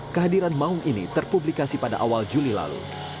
kehadiran maung ini terpublikasi pada awal juli lalu